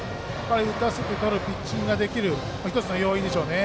打たせてとるピッチングができる１つの要因でしょうね。